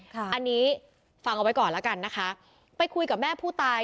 อันนี้ฟังเอาไว้ก่อนแล้วกันนะคะไปคุยกับแม่ผู้ตาย